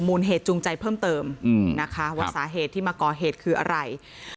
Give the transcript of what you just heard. มูลเหตุจูงใจเพิ่มเติมนะคะว่าสาเหตุที่มาก่อเหตุคืออะไร